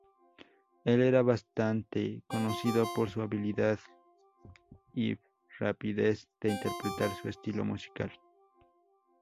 Él era bastante conocido por su habilidad yb rapidez de interpretar su estilo musical.